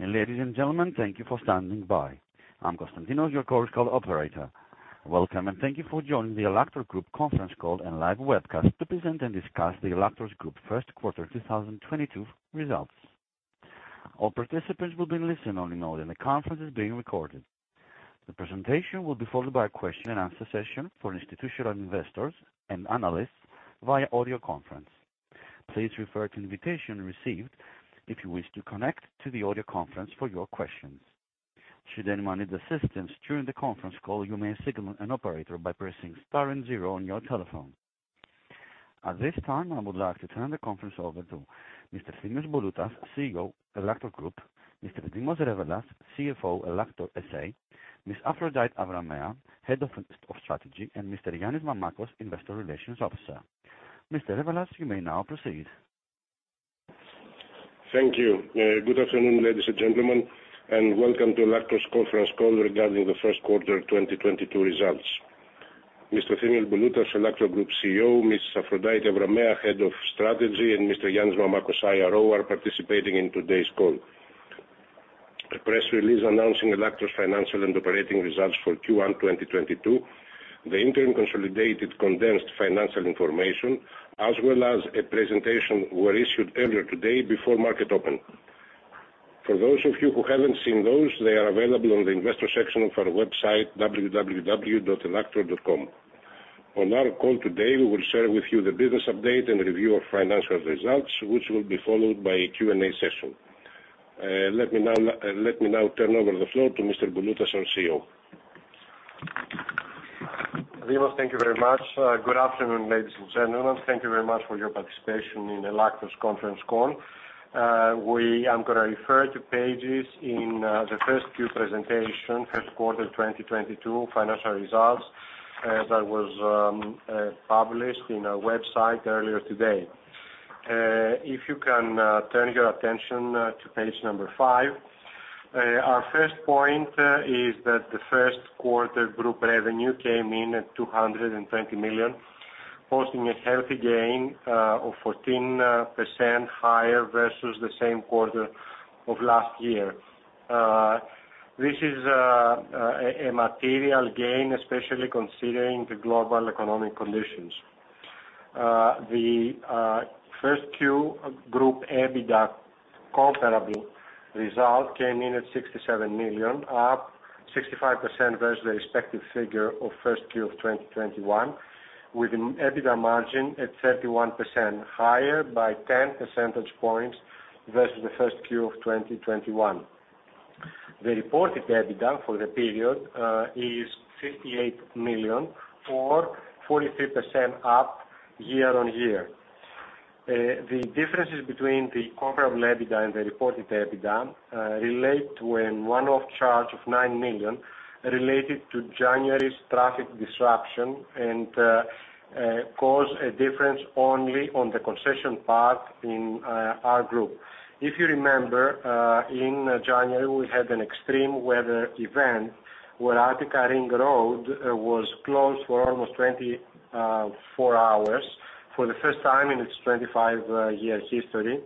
Ladies and gentlemen, thank you for standing by. I'm Constantinos, your conference call operator. Welcome, and thank you for joining the Ellaktor Group conference call and live webcast to present and discuss the Ellaktor Group's Q1 2022 results. All participants will be in listen-only mode, and the conference is being recorded. The presentation will be followed by a question and answer session for institutional investors and analysts via audio conference. Please refer to invitation received if you wish to connect to the audio conference for your questions. Should anyone need assistance during the conference call, you may signal an operator by pressing star and zero on your telephone. At this time, I would like to turn the conference over to Mr. Thimios Bouloutas, CEO, Ellaktor Group, Mr. Dimos Revelas, CFO, Ellaktor S.A., Ms. Aphrodite Avramea, Head of Strategy, and Mr. Yannis Mamacos, Investor Relations Officer. Mr. Revelas, you may now proceed. Thank you. Good afternoon, ladies and gentlemen, and welcome to Ellaktor's conference call regarding the Q1 2022 results. Mr. Thimios Bouloutas, Ellaktor Group CEO, Ms. Aphrodite Avramea, Head of Strategy, and Mr. Yannis Mamacos, IRO, are participating in today's call. A press release announcing Ellaktor's financial and operating results for Q1 2022. The interim consolidated condensed financial information as well as a presentation were issued earlier today before market open. For those of you who haven't seen those, they are available on the investor section of our website, www.ellaktor.com. On our call today, we will share with you the business update and review of financial results, which will be followed by a Q&A session. Let me now turn over the floor to Mr. Bouloutas, our CEO. Dimos, thank you very much. Good afternoon, ladies and gentlemen. Thank you very much for your participation in Ellaktor's conference call. I'm gonna refer to pages in the first Q presentation, Q1 2022 financial results, as that was published in our website earlier today. If you can turn your attention to page number 5. Our first point is that the Q1 group revenue came in at 220 million, posting a healthy gain of 14% higher versus the same quarter of last year. This is a material gain, especially considering the global economic conditions. The first Q group EBITDA comparable result came in at 67 million, up 65% versus the respective figure of first Q of 2021, with an EBITDA margin at 31%, higher by ten percentage points versus the first Q of 2021. The reported EBITDA for the period is 58 million or 43% up year-on-year. The differences between the comparable EBITDA and the reported EBITDA relate to a one-off charge of 9 million related to January's traffic disruption and caused a difference only on the concession part in our group. If you remember, in January, we had an extreme weather event where Attiki Odos was closed for almost 24 hours for the first time in its 25-year history,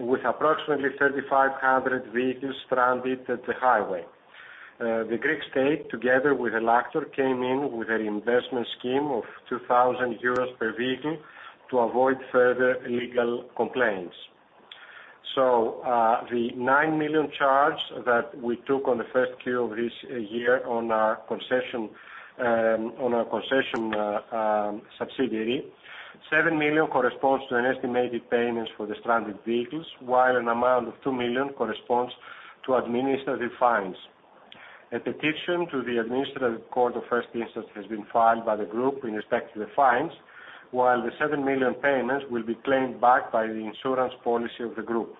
with approximately 3,500 vehicles stranded at the highway. The Greek state, together with Ellaktor, came in with a reimbursement scheme of 2,000 euros per vehicle to avoid further legal complaints. The 9 million charge that we took on the first Q of this year on our concession subsidiary, 7 million corresponds to an estimated payments for the stranded vehicles, while an amount of 2 million corresponds to administrative fines. A petition to the Administrative Court of First Instance has been filed by the group in respect to the fines, while the 7 million payments will be claimed back by the insurance policy of the group.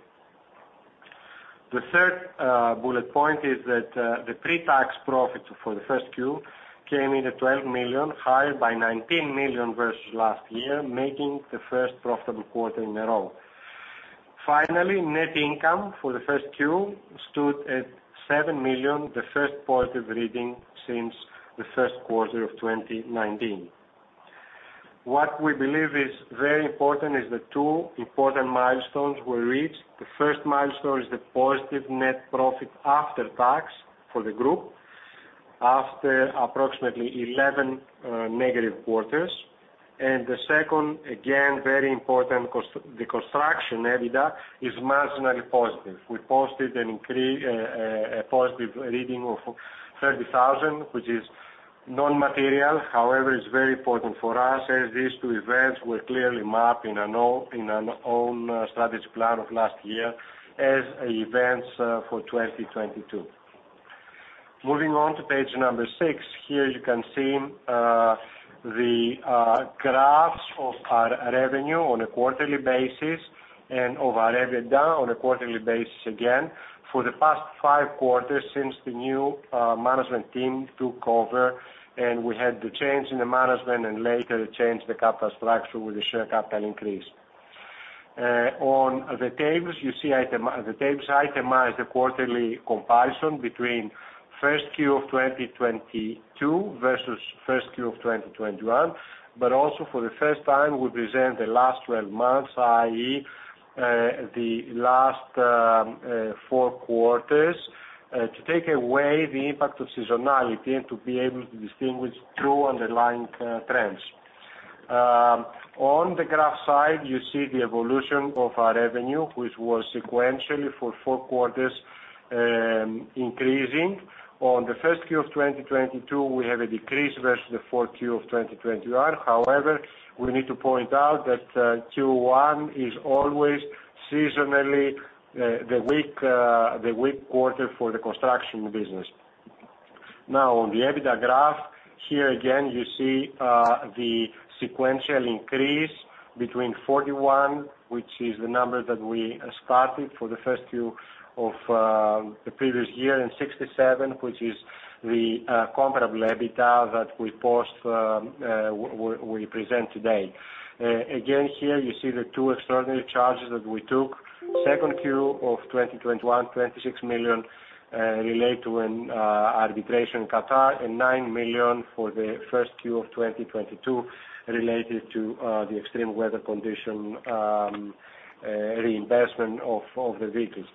The third bullet point is that, the pre-tax profit for the first Q came in at 12 million, higher by 19 million versus last year, making the first profitable quarter in a row. Finally, net income for the first Q stood at 7 million, the first positive reading since the Q1 of 2019. What we believe is very important is the two important milestones were reached. The first milestone is the positive net profit after tax for the group after approximately 11 negative quarters. The second, again, very important, the construction EBITDA is marginally positive. We posted a positive reading of 30,000, which is non-material. However, it's very important for us as these two events were clearly mapped in our own strategy plan of last year as events for 2022. Moving on to page 6. Here you can see the graphs of our revenue on a quarterly basis and of our EBITDA on a quarterly basis again for the past Q5 since the new management team took over and we had the change in the management and later the change in the capital structure with the share capital increase. On the tables you see the tables itemize the quarterly comparison between first Q of 2022 versus first Q of 2021. Also for the first time, we present the last 12 months, i.e. the last Q4 to take away the impact of seasonality and to be able to distinguish true underlying trends. On the graph side, you see the evolution of our revenue, which was sequentially for Q4 increasing. On the Q1 of 2022, we have a decrease versus the Q4 of 2021. However, we need to point out that Q1 is always seasonally the weak quarter for the construction business. Now, on the EBITDA graph, here again you see the sequential increase between 41, which is the number that we started for the Q1 of the previous year, and 67, which is the comparable EBITDA that we present today. Again, here you see the two extraordinary charges that we took. Q2 of 2021, 26 million, relate to an arbitration Qatar. Nine million for the Q1 of 2022 related to the extreme weather condition, reimbursement of the vehicles.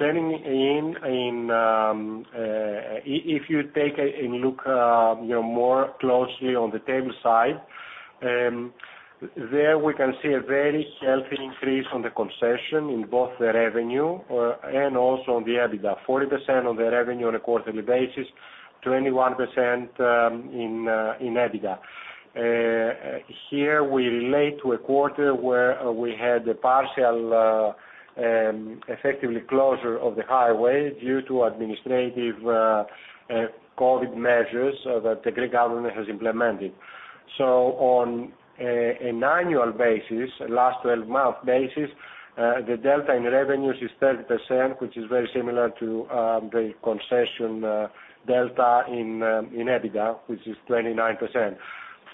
Turning to, if you take a look, you know, more closely on the table side, there we can see a very healthy increase on the concession in both the revenue, and also on the EBITDA. 40% on the revenue on a quarterly basis, 21% in EBITDA. Here we relate to a quarter where we had a partial, effectively closure of the highway due to administrative COVID measures that the Greek government has implemented. On an annual basis, last 12-month basis, the delta in revenues is 30%, which is very similar to, the concession, delta in EBITDA, which is 29%.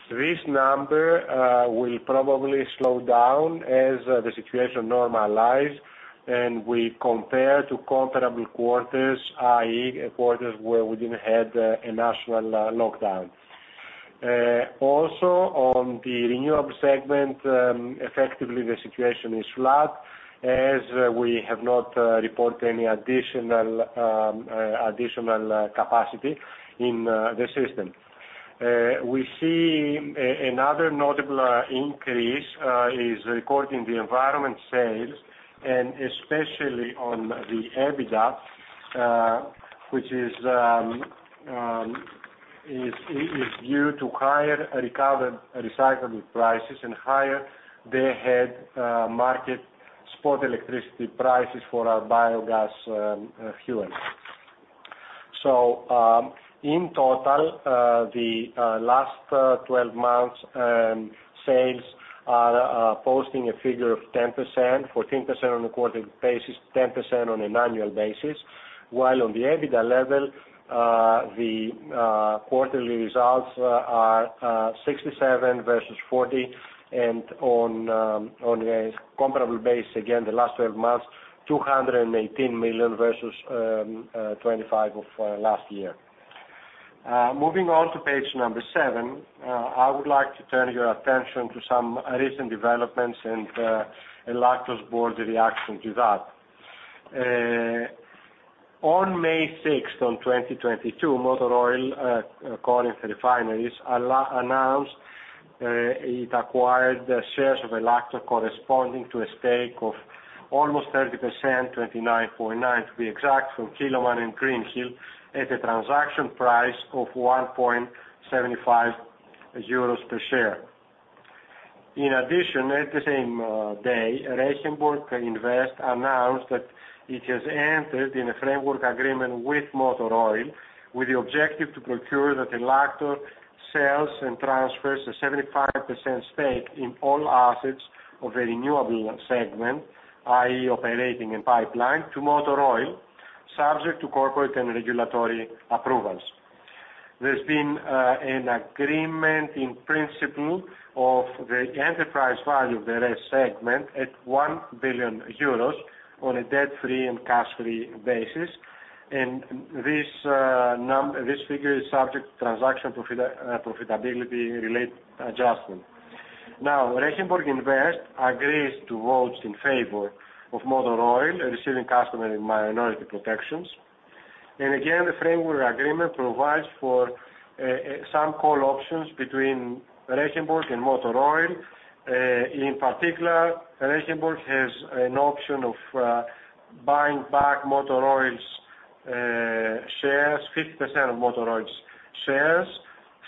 This number will probably slow down as the situation normalizes, and we compare to comparable quarters, i.e., quarters where we didn't have a national lockdown. Also on the renewable segment, effectively the situation is flat as we have not reported any additional capacity in the system. We see another notable increase is recorded in the environment sales, and especially on the EBITDA, which is due to higher recovered recycling prices and higher day-ahead market spot electricity prices for our biogas fuel. In total, the last twelve months, sales are posting a figure of 10%, 14% on a quarterly basis, 10% on an annual basis, while on the EBITDA level, the quarterly results are 67 million versus 40 million and on a comparable base, again, the last twelve months, 218 million versus 25 million of last year. Moving on to page 7, I would like to turn your attention to some recent developments and Ellaktor's board reaction to that. On May 6, 2022, Motor Oil Corinth Refineries announced it acquired the shares of Ellaktor corresponding to a stake of almost 30%, 29.9 to be exact, from Kiloman and Greenhill at a transaction price of 1.75 euros per share. In addition, at the same day, Reggeborgh Invest announced that it has entered in a framework agreement with Motor Oil with the objective to procure that Ellaktor sells and transfers a 75% stake in all assets of the renewable segment, i.e., operating in pipeline to Motor Oil, subject to corporate and regulatory approvals. There's been an agreement in principle of the enterprise value of the RES segment at 1 billion euros on a debt-free and cash-free basis. This figure is subject to transaction profitability-related adjustment. Now, Reggeborgh Invest agrees to vote in favor of Motor Oil receiving customer and minority protections. The framework agreement provides for some call options between Reggeborgh and Motor Oil. In particular, Reggeborgh has an option of buying back Motor Oil's shares, 50% of Motor Oil's shares,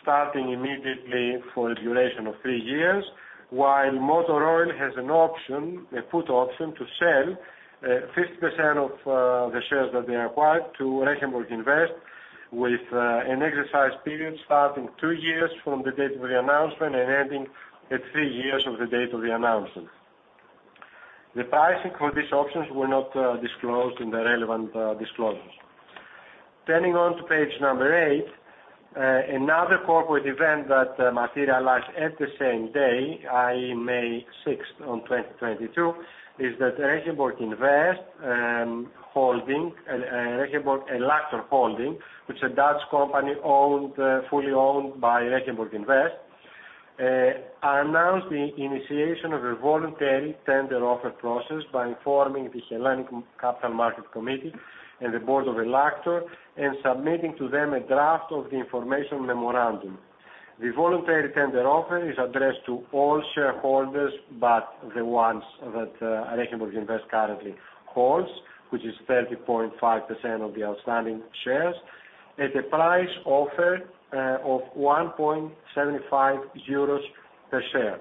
starting immediately for a duration of 3 years, while Motor Oil has an option, a put option, to sell 50% of the shares that they acquired to Reggeborgh Invest with an exercise period starting 2 years from the date of the announcement and ending at 3 years of the date of the announcement. The pricing for these options were not disclosed in the relevant disclosures. Turning to page number 8. Another corporate event that materialized on the same day, i.e. May 6, 2022, RB Ellaktor Holding B.V., which is a Dutch company fully owned by Reggeborgh Invest, announced the initiation of a voluntary tender offer process by informing the Hellenic Capital Market Commission and the board of Ellaktor and submitting to them a draft of the information memorandum. The voluntary tender offer is addressed to all shareholders except the ones that Reggeborgh Invest currently holds, which is 30.5% of the outstanding shares, at a price offer of 1.75 euros per share.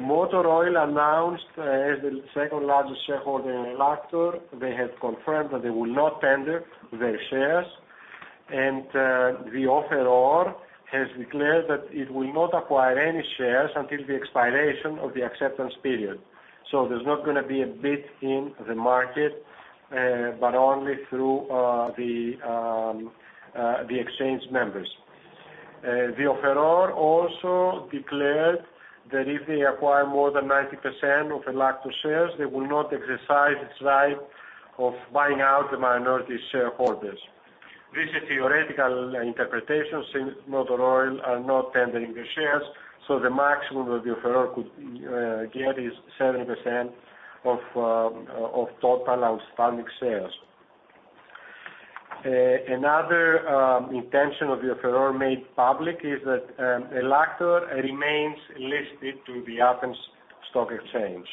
Motor Oil, as the second largest shareholder in Ellaktor, has confirmed that they will not tender their shares. The offeror has declared that it will not acquire any shares until the expiration of the acceptance period. There's not gonna be a bid in the market, but only through the exchange members. The offeror also declared that if they acquire more than 90% of ELLAKTOR shares, they will not exercise its right of buying out the minority shareholders. This is theoretical interpretation since Motor Oil are not tendering their shares, so the maximum that the offeror could get is 70% of total outstanding shares. Another intention of the offeror made public is that ELLAKTOR remains listed on the Athens Stock Exchange.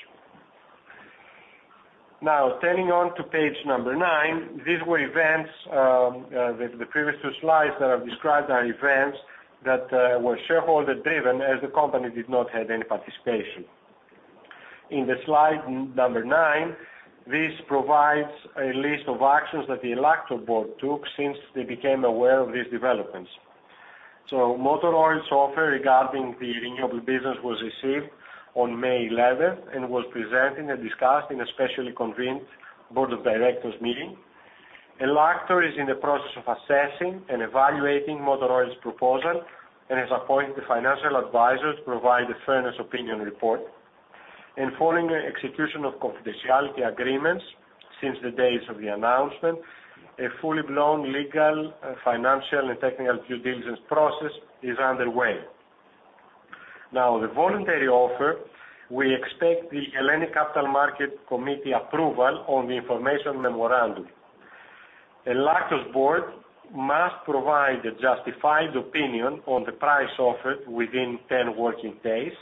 Now, turning to page 9. These were events, the previous two slides that I've described are events that were shareholder driven, as the company did not have any participation. In the slide number 9, this provides a list of actions that the Ellaktor board took since they became aware of these developments. Motor Oil's offer regarding the renewable business was received on May 11, and was presented and discussed in a specially convened board of directors meeting. Ellaktor is in the process of assessing and evaluating Motor Oil's proposal, and has appointed the financial advisors to provide a fairness opinion report. Following the execution of confidentiality agreements since the days of the announcement, a full-blown legal, financial, and technical due diligence process is underway. Now the voluntary offer, we expect the Hellenic Capital Market Commission approval on the information memorandum. Ellaktor's board must provide a justified opinion on the price offered within 10 working days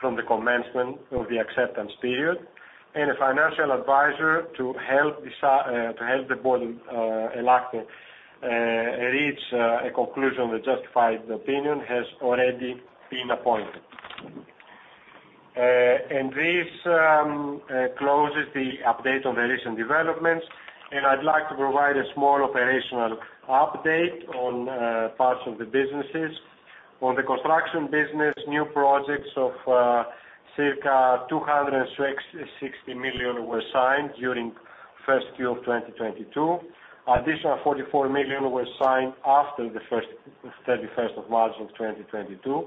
from the commencement of the acceptance period. A financial advisor to help the board of Ellaktor reach a conclusion with justified opinion has already been appointed. This closes the update on the recent developments. I'd like to provide a small operational update on parts of the businesses. On the construction business, new projects of circa 260 million were signed during first Q of 2022. Additional 44 million were signed after the thirty-first of March of 2022.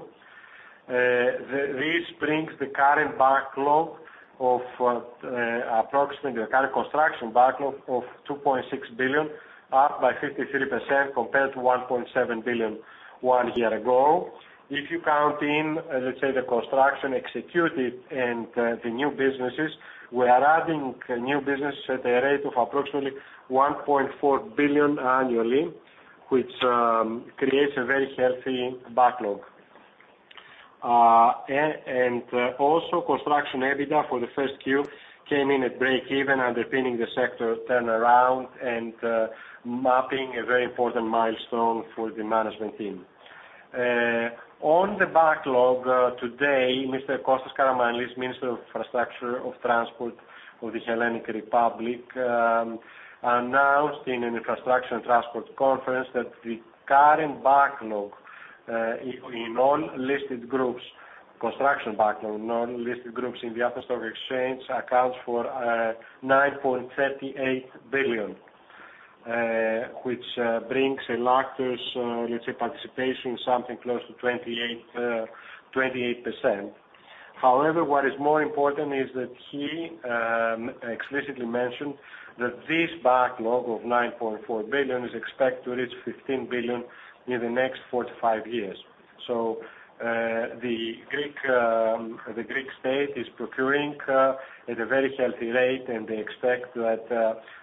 This brings the current backlog of approximately the current construction backlog of 2.6 billion, up by 53% compared to 1.7 billion one year ago. If you count in, let's say, the construction executed and the new businesses, we are adding new business at a rate of approximately 1.4 billion annually, which creates a very healthy backlog. Also construction EBITDA for the first Q came in at break even underpinning the sector turnaround and marking a very important milestone for the management team. On the backlog, today, Mr. Kostas Karamanlis, Minister of Infrastructure and Transport of the Hellenic Republic, announced in an infrastructure and transport conference that the current backlog in all listed groups, construction backlog in all listed groups in the Athens Stock Exchange accounts for 9.38 billion. Which brings Ellaktor's, let's say participation something close to 28%. However, what is more important is that he explicitly mentioned that this backlog of 9.4 billion is expected to reach 15 billion in the next 4-five years. The Greek state is procuring at a very healthy rate, and they expect that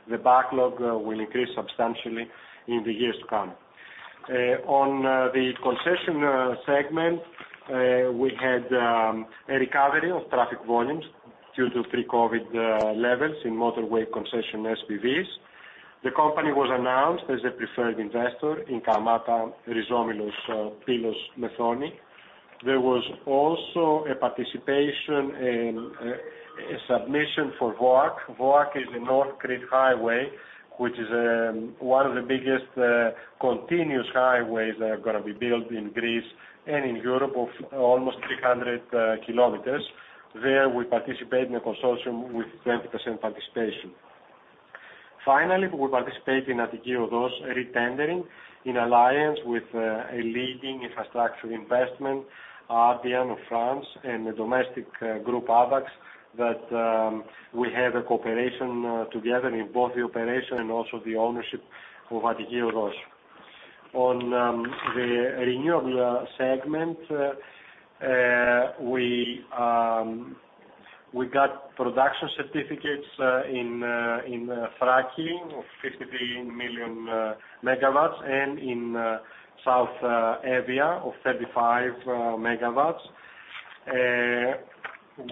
the backlog will increase substantially in the years to come. On the concession segment, we had a recovery of traffic volumes due to pre-COVID levels in Motorway concession SPVs. The company was announced as a preferred investor in Kalamata-Rizomylos, Pylos-Methoni. There was also a participation in a submission for BOAK. BOAK is the North Crete Highway, which is one of the biggest continuous highways that are gonna be built in Greece and in Europe of almost 300 kilometers. There we participate in a consortium with 20% participation. Finally, we will participate in Attiki Odos retendering in alliance with a leading infrastructure investment, ADP of France, and the domestic group, AVAX, that we have a cooperation together in both the operation and also the ownership of Attiki Odos. On the renewable segment, we got production certificates in Thrace of 53 million megawatts, and in South Evia of 35 megawatts.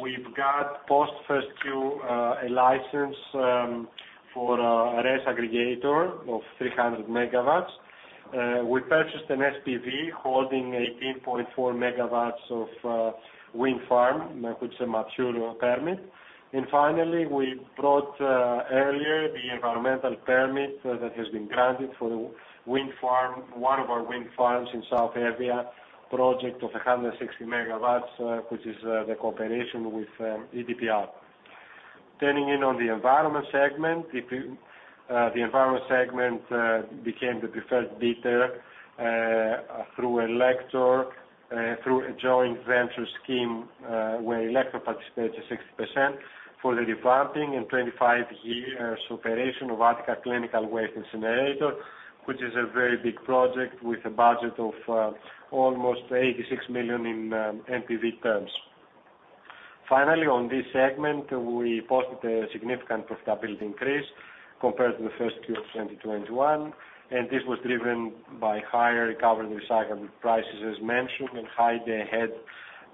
We've got first-queue a license for a RES aggregator of 300 megawatts. We purchased an SPV holding 18.4 megawatts of wind farm, which a mature permit. Finally, we brought earlier the environmental permit that has been granted for wind farm, one of our wind farms in South Evia, project of 160 MW, which is the cooperation with EDPR. Turning to the environment segment. In the environment segment became the preferred bidder through Helector through a joint venture scheme where Helector participated 60% for the revamping and 25 years operation of Attica Clinical Waste Incinerator, which is a very big project with a budget of almost 86 million in NPV terms. Finally, on this segment, we posted a significant profitability increase compared to the Q1 of 2021, and this was driven by higher recovered recyclable prices, as mentioned, and high day-ahead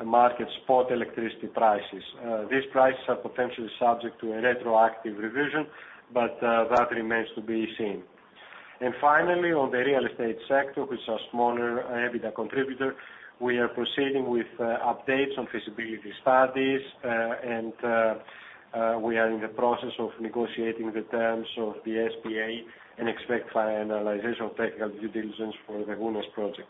market spot electricity prices. These prices are potentially subject to a retroactive revision, but that remains to be seen. Finally, on the real estate sector, which is a smaller EBITDA contributor, we are proceeding with updates on feasibility studies, and we are in the process of negotiating the terms of the SPA and expect finalization of technical due diligence for the Gournes project.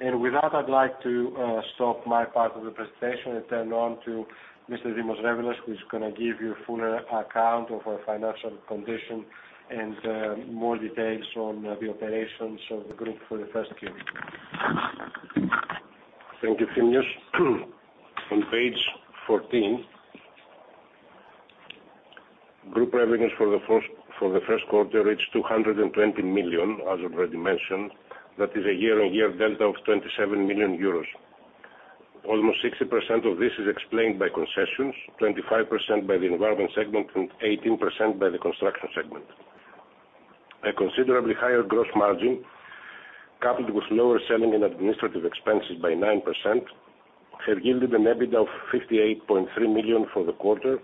With that, I'd like to stop my part of the presentation and turn over to Mr. Dimos Revelas, who's gonna give you fuller account of our financial condition and more details on the operations of the group for the Q1. Thank you, Thimios. On page fourteen, group revenues for the Q1 reached 220 million, as already mentioned. That is a year-on-year delta of 27 million euros. Almost 60% of this is explained by concessions, 25% by the environment segment, and 18% by the construction segment. A considerably higher gross margin, coupled with lower selling and administrative expenses by 9%, have yielded an EBITDA of 58.3 million for the quarter.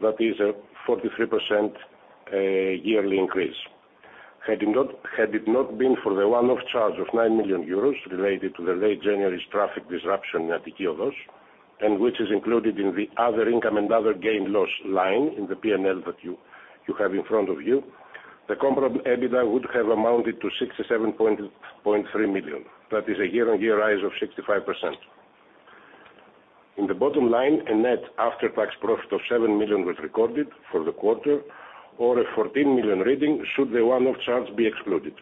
That is a 43% yearly increase. Had it not been for the one-off charge of 9 million euros related to the late January's traffic disruption in Attiki Odos, and which is included in the other income and other gain loss line in the P&L that you have in front of you, the comparable EBITDA would have amounted to 67.3 million. That is a year-on-year rise of 65%. In the bottom line, a net after-tax profit of 7 million was recorded for the quarter, or a 14 million reading should the one-off charge be excluded.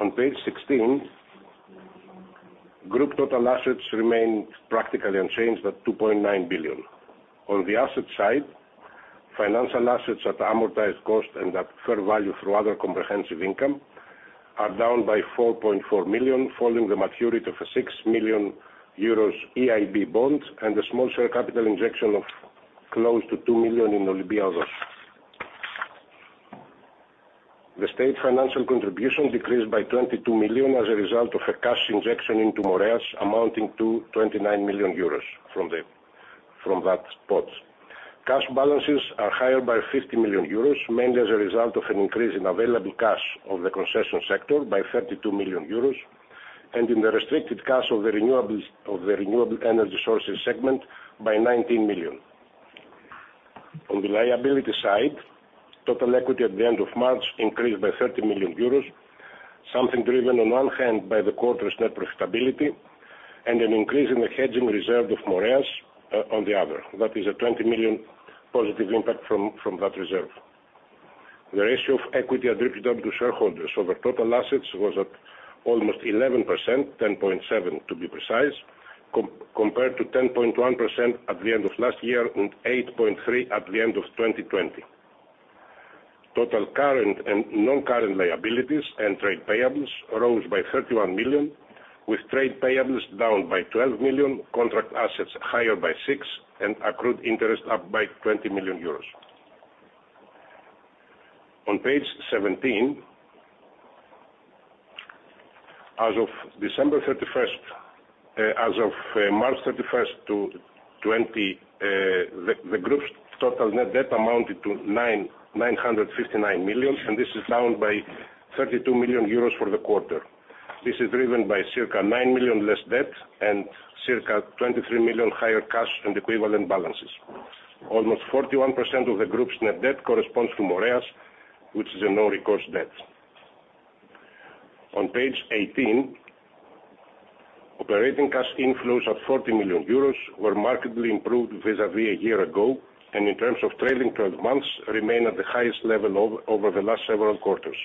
On page sixteen, group total assets remained practically unchanged at 2.9 billion. On the asset side, financial assets at amortized cost and at fair value through other comprehensive income are down by 4.4 million, following the maturity of a 6 million euros EIB bond and a small share capital injection of close to 2 million in Olympia Odos. The state financial contribution decreased by 22 million as a result of a cash injection into Moreas amounting to 29 million euros from that spot. Cash balances are higher by 50 million euros, mainly as a result of an increase in available cash of the concession sector by 32 million euros, and in the restricted cash of the renewable energy sources segment by 19 million. On the liability side, total equity at the end of March increased by 30 million euros, something driven on one hand by the quarter's net profitability and an increase in the hedging reserve of Moreas on the other. That is a 20 million positive impact from that reserve. The ratio of equity attributable to shareholders over total assets was at almost 11%, 10.7% to be precise, compared to 10.1% at the end of last year and 8.3% at the end of 2020. Total current and non-current liabilities and trade payables rose by 31 million, with trade payables down by 12 million, contract assets higher by 6 million, and accrued interest up by 20 million euros. On page 17, as of March 31, 2020, the group's total net debt amounted to 959 million, and this is down by 32 million euros for the quarter. This is driven by circa 9 million less debt and circa 23 million higher cash and equivalent balances. Almost 41% of the group's net debt corresponds to Moreas, which is a non-recourse debt. On page eighteen, operating cash inflows of 40 million euros were markedly improved vis-a-vis a year ago, and in terms of trailing twelve months remain at the highest level over the last several quarters.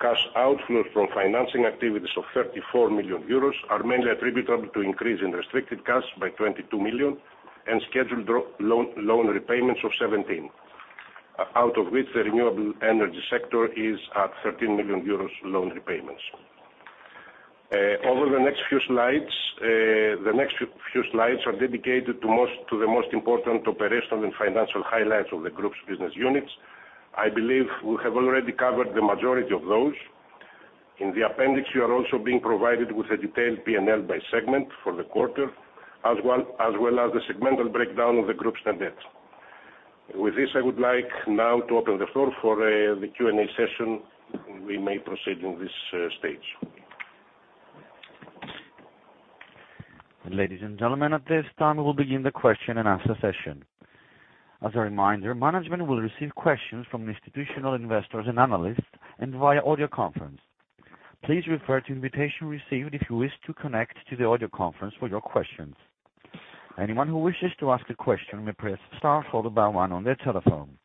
Cash outflows from financing activities of 34 million euros are mainly attributable to increase in restricted costs by 22 million, and scheduled loan repayments of 17 million. Out of which, the renewable energy sector is at 13 million euros loan repayments. Over the next few slides, the next few slides are dedicated to the most important operational and financial highlights of the group's business units. I believe we have already covered the majority of those. In the appendix, you are also being provided with a detailed P&L by segment for the quarter as well as the segmental breakdown of the group's standard. With this, I would like now to open the floor for the Q&A session. We may proceed in this stage. Ladies and gentlemen, at this time, we'll begin the question-and-answer session. As a reminder, management will receive questions from institutional investors and analysts and via audio conference. Please refer to invitation received if you wish to connect to the audio conference for your questions. Anyone who wishes to ask a question may press star followed by one on their telephone.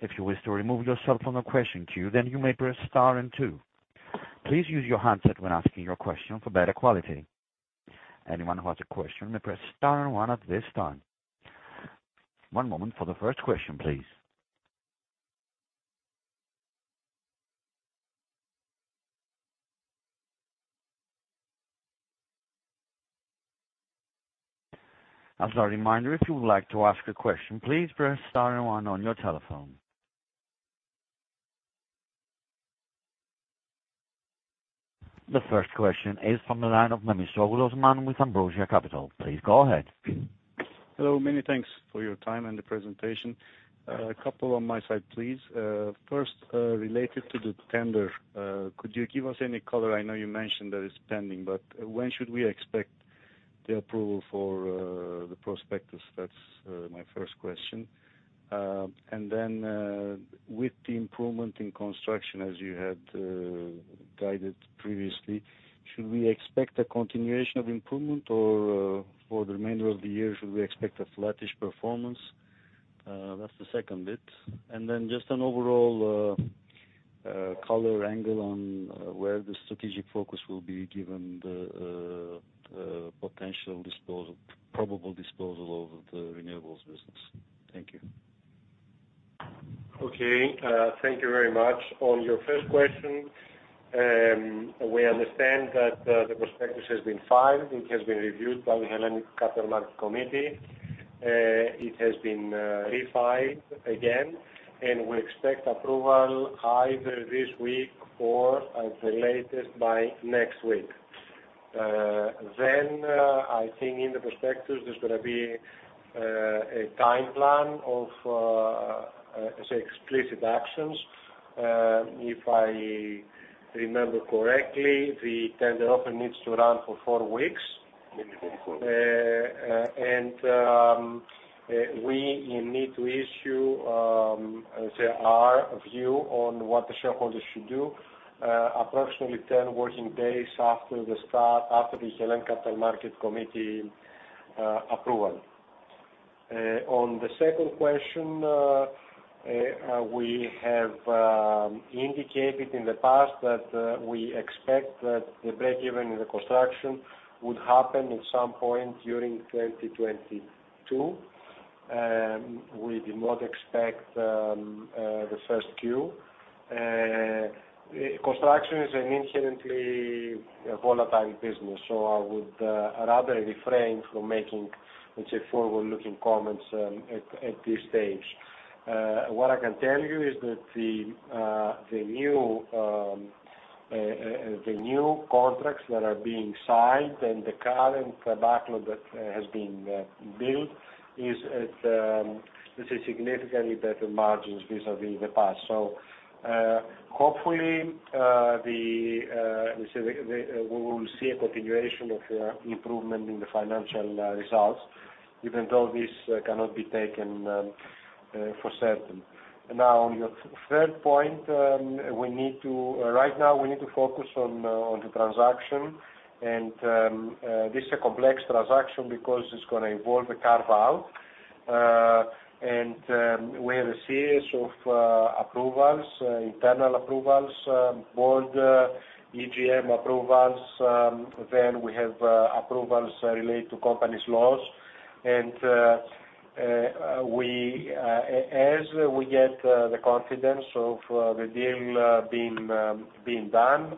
If you wish to remove yourself from a question queue, then you may press star and two. Please use your handset when asking your question for better quality. Anyone who has a question may press star and one at this time. One moment for the first question, please. As a reminder, if you would like to ask a question, please press star and one on your telephone. The first question is from the line of Osman Memisoglu with Ambrosia Capital. Please go ahead. Hello, many thanks for your time and the presentation. A couple on my side, please. First, related to the tender, could you give us any color? I know you mentioned that it's pending, but when should we expect the approval for the prospectus? That's my first question. Then, with the improvement in construction as you had guided previously, should we expect a continuation of improvement or, for the remainder of the year, should we expect a flattish performance? That's the second bit. Then just an overall color angle on where the strategic focus will be given the potential disposal, probable disposal of the renewables business. Thank you. Okay, thank you very much. On your first question, we understand that the prospectus has been filed. It has been reviewed by the Hellenic Capital Market Commission. It has been refiled again, and we expect approval either this week or at the latest by next week. I think in the prospectus there's gonna be a time plan of say explicit actions. If I remember correctly, the tender offer needs to run for four weeks. We need to issue say our view on what the shareholders should do approximately 10 working days after the start, after the Hellenic Capital Market Commission approval. On the second question, we have indicated in the past that we expect that the break even in the construction would happen at some point during 2022. We did not expect the Q1. Construction is an inherently volatile business, so I would rather refrain from making, let's say, forward-looking comments at this stage. What I can tell you is that the new contracts that are being signed and the current backlog that has been built is significantly better margins vis-à-vis the past. Hopefully, let's say, we will see a continuation of improvement in the financial results, even though this cannot be taken for certain. Now, on your third point, right now we need to focus on the transaction. This is a complex transaction because it's gonna involve a carve-out. We have a series of approvals, internal approvals, board, EGM approvals, then we have approvals related to company laws. As we get the confidence of the deal being done,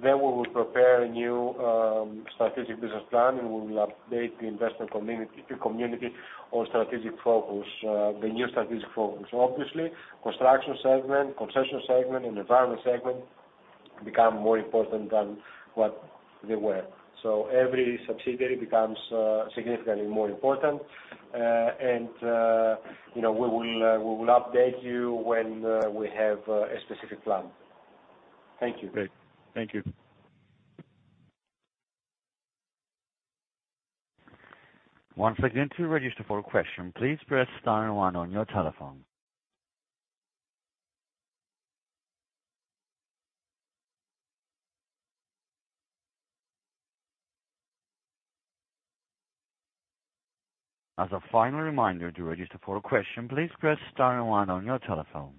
then we will prepare a new strategic business plan and we will update the investment community on strategic focus, the new strategic focus. Obviously, construction segment, concession segment and environment segment become more important than what they were. Every subsidiary becomes significantly more important. You know, we will update you when we have a specific plan. Thank you. Great. Thank you. Once again, to register for a question, please press star and one on your telephone. As a final reminder, to register for a question, please press star and one on your telephone.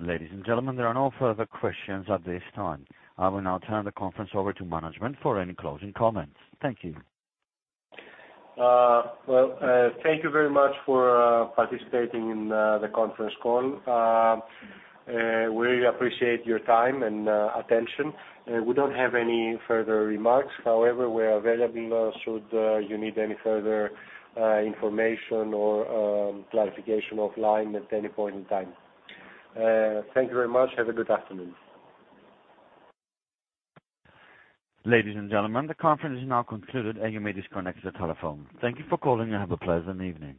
Ladies and gentlemen, there are no further questions at this time. I will now turn the conference over to management for any closing comments. Thank you. Well, thank you very much for participating in the conference call. We appreciate your time and attention. We don't have any further remarks. However, we are available should you need any further information or clarification offline at any point in time. Thank you very much. Have a good afternoon. Ladies and gentlemen, the conference is now concluded, and you may disconnect your telephone. Thank you for calling, and have a pleasant evening.